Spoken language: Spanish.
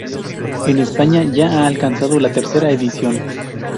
En España ya ha alcanzado la tercera edición.